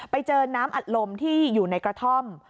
ไปเจอน้ำอัดลมที่อยู่ในกระท่อม